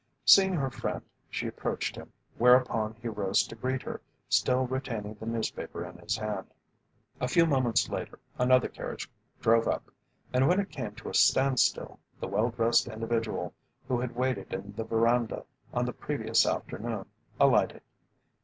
Seeing her friend she approached him, whereupon he rose to greet her, still retaining the newspaper in his hand. A few moments later another carriage drove up, and, when it came to a standstill, the well dressed individual who had waited in the verandah on the previous afternoon, alighted.